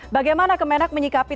bagaimana kemenak menyikapi travel haji